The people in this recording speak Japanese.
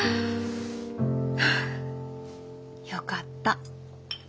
よかった。